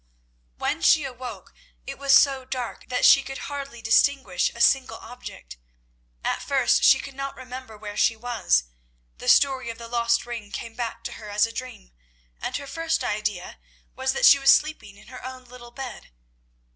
When she awoke it was so dark that she could hardly distinguish a single object. At first she could not remember where she was. The story of the lost ring came back to her as a dream, and her first idea was that she was sleeping in her own little bed.